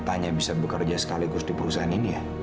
datanya bisa bekerja sekaligus di perusahaan ini ya